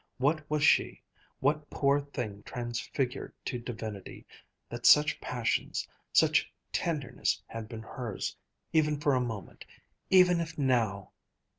What was she, what poor thing transfigured to divinity, that such passion, such tenderness had been hers ... even for a moment ... even if now